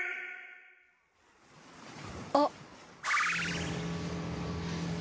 あっ。